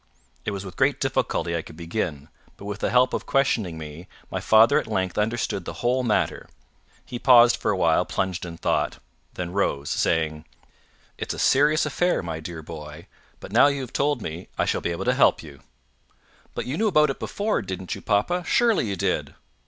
It was with great difficulty I could begin, but with the help of questioning me, my father at length understood the whole matter. He paused for a while plunged in thought; then rose, saying, "It's a serious affair, my dear boy; but now you have told me, I shall be able to help you." "But you knew about it before, didn't you, papa? Surely you did!"